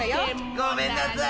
ごめんなさい。